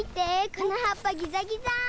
このはっぱギザギザ！